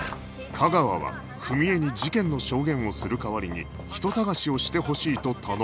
架川は史江に事件の証言をする代わりに人捜しをしてほしいと頼まれる